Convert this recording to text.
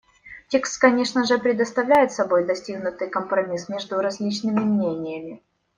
Текст, конечно же, представляет собой достигнутый компромисс между различными мнениями.